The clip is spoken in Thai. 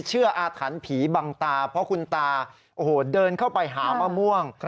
เชื่ออาถรรพีศ์บังตาเพราะคุณตาเดินเข้าไปหามะม่วง